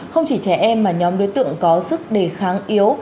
không chỉ trẻ em mà nhóm đối tượng có sức đề kháng yếu